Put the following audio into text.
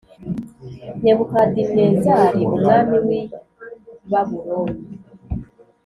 Nebukadinezari umwami w i Babuloni